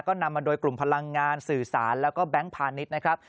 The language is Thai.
ก็นำมาโดยกลุ่มพลังงานสื่อสารแล้วก็แบงค์พาณิชย์นะครับ